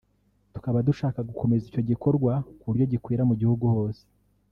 tukaba dushaka gukomeza icyo gikorwa ku buryo gikwira mu gihugu cyose